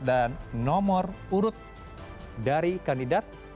dan nomor urut dari kandidat